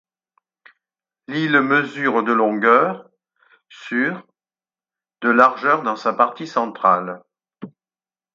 L'île mesure de longueur sur de largeur dans sa partie centrale.